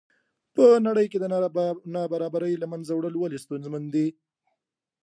په نړۍ کې د نابرابرۍ له منځه وړل ولې ستونزمن دي.